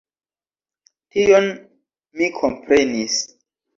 Tion mi komprenis.